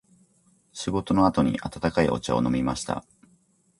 仕事の後に温かいお茶を飲みました。